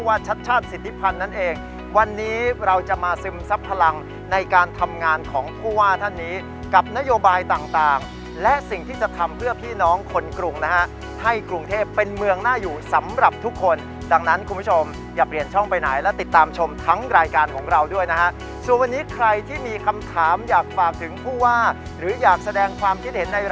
ชัดชาติสิทธิพันธ์นั่นเองวันนี้เราจะมาซึมซับพลังในการทำงานของผู้ว่าท่านนี้กับนโยบายต่างต่างและสิ่งที่จะทำเพื่อพี่น้องคนกรุงนะฮะให้กรุงเทพเป็นเมืองน่าอยู่สำหรับทุกคนดังนั้นคุณผู้ชมอย่าเปลี่ยนช่องไปไหนและติดตามชมทั้งรายการของเราด้วยนะฮะส่วนวันนี้ใครที่มีคำถามอยากฝากถึงผู้ว่าหรืออยากแสดงความคิดเห็นใน